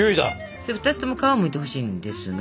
それ２つとも皮をむいてほしいんですが。